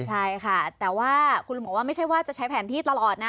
ใช่ค่ะแต่ว่าคุณลุงบอกว่าไม่ใช่ว่าจะใช้แผนที่ตลอดนะ